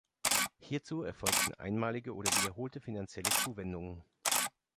Hierzu erfolgten einmalige oder wiederholte finanzielle Zuwendungen.